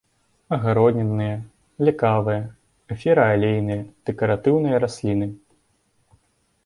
Агароднінныя, лекавыя, эфіраалейныя, дэкаратыўныя расліны.